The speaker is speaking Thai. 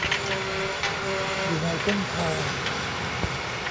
อยู่ในเส้นทาง